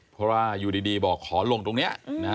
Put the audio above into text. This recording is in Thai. เพราะว่าอยู่ดีบอกขอลงตรงนี้